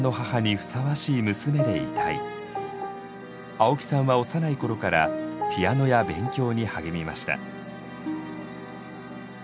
青木さんは幼い頃からピアノや勉強に励みました。